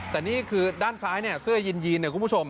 แต่นี่คือด้านซ้ายเสื้อยินนะครับคุณผู้ชม